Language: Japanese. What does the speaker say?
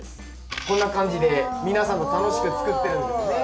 こんな感じで皆さんと楽しく作ってるんですね。